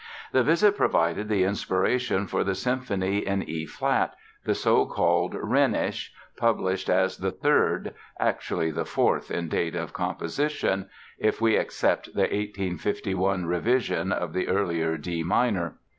The visit provided the inspiration for the Symphony in E flat, the so called "Rhenish", published as the third, actually the fourth in date of composition (if we except the 1851 revision of the earlier D minor).